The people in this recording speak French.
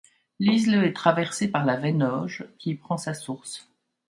L'Isle est traversée par la Venoge qui y prend sa source.